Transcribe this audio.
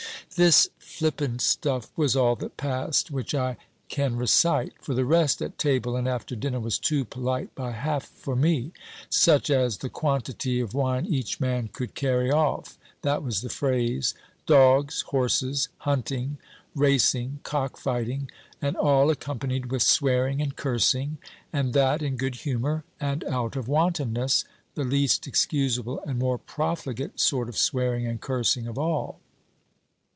This flippant stuff was all that passed, which I can recite; for the rest, at table, and after dinner, was too polite by half for me; such as, the quantity of wine each man could carry off (that was the phrase), dogs, horses, hunting, racing, cock fighting, and all accompanied with swearing and cursing, and that in good humour, and out of wantonness (the least excusable and more profligate sort of swearing and cursing of all).